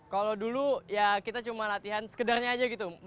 kalau dulu ya kita cuma latihan sekedarnya aja gitu